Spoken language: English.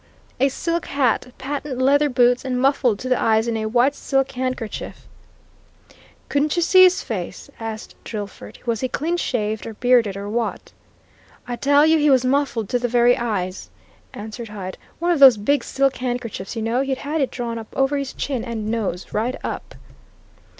A silk hat patent leather boots and muffled to the eyes in a white silk handkerchief." "Could you see his face?" asked Drillford. "Was he clean shaved, or bearded, or what?" "I tell you he was muffled to the very eyes," answered Hyde. "One of those big silk handkerchiefs, you know he had it drawn up over his chin and nose right up."